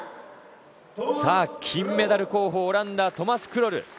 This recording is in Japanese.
さあ金メダル候補オランダ、トマス・クロル。